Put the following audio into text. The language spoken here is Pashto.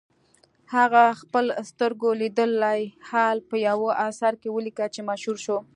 هغه خپل سترګو لیدلی حال په یوه اثر کې ولیکه چې مشهور شو.